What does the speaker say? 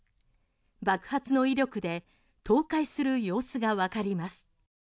爆発の威力で倒壊する様子がわかります。